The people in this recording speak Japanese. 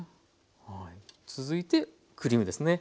続いてクリームですね。